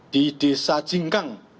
di desa jingkang